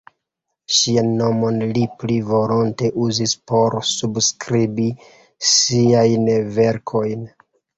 Ŝian nomon li pli volonte uzis por subskribi siajn verkojn.